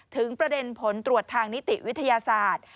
ถึงประเด็นผลตรวจทางนิติวิทยาศาสตร์